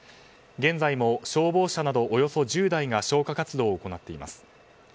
現在も消防車などおよそ１０台が消火活動を行っています。